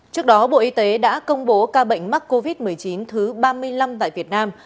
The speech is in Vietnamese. trước đó bộ y tế đã công bố ca bệnh mắc covid một mươi chín thứ ba mươi năm tại việt nam